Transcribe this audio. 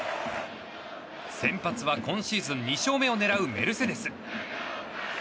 先発は今シーズン２勝目を狙うメルセデス。